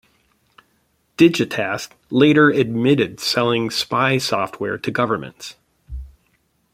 DigiTask later admitted selling spy software to governments.